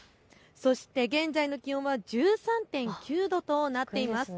そして現在の気温は１３．９度となっています。